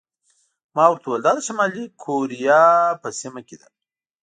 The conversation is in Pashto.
ما ورته وویل: دا د شمالي ګوریزیا په سیمه کې ده.